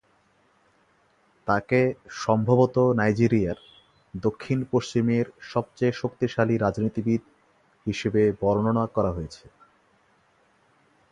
তাকে "সম্ভবত নাইজেরিয়ার দক্ষিণ-পশ্চিমের সবচেয়ে শক্তিশালী রাজনীতিবিদ" হিসেবে বর্ণনা করা হয়েছে।